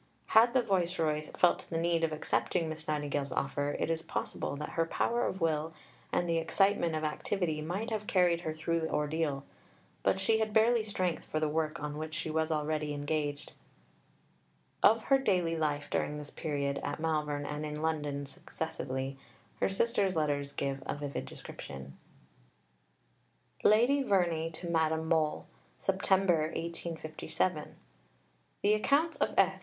Had the Viceroy felt the need of accepting Miss Nightingale's offer, it is possible that her power of will and the excitement of activity might have carried her through the ordeal; but she had barely strength for the work on which she was already engaged. Augustus Hare's Story of Two Noble Lives, vol. ii. p. 350. Of her daily life during this period, at Malvern and in London successively, her sister's letters give a vivid description: (Lady Verney to Madame Mohl.) [September 1857.] The accounts of F.